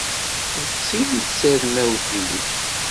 D tin ay d tarennawt-nnek.